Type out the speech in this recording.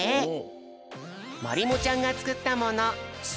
まりもちゃんがつくったものそれは。